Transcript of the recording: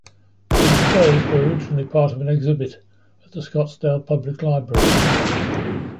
The displays were originally part of an exhibit at the Scottsdale Public Library.